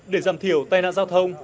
để giảm thiểu tai nạn giao thông